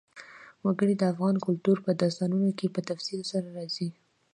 وګړي د افغان کلتور په داستانونو کې په تفصیل سره راځي.